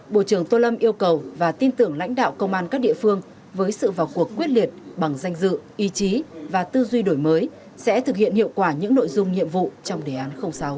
bộ trưởng tô lâm yêu cầu và tin tưởng lãnh đạo công an các địa phương với sự vào cuộc quyết liệt bằng danh dự ý chí và tư duy đổi mới sẽ thực hiện hiệu quả những nội dung nhiệm vụ trong đề án sáu